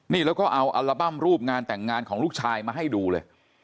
นี่แล้วก็เอาอัลบั้มรูปงานแต่งงานของลูกชายมาให้ดูเลย